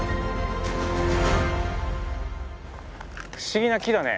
不思議な木だね。